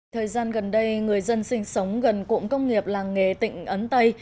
thời gian gần đây người dân sinh sống gần cụm công nghiệp làng nghề tỉnh ấn tây